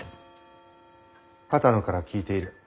波多野から聞いている。